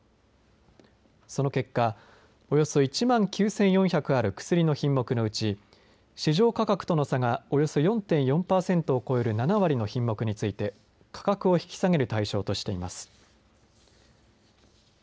その結果、およそ１万９４００ある薬の品目のうち市場価格との差がおよそ４．４パーセントを超える７割の品目について価格を引き下げる対象としています。